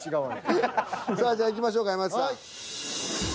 さあじゃあいきましょうか山内さん。